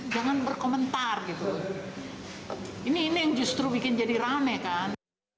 jangan berkomentar gitu ini yang justru bikin jadi rame kan